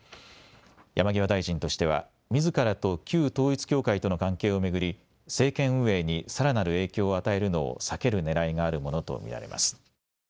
山際大臣としてはみずからと旧統一教会との関係を巡り政権運営にさらなる影響を与えるのを避けるねらいがあるものと見られます。